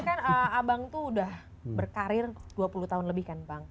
ini kan abang tuh udah berkarir dua puluh tahun lebih kan bang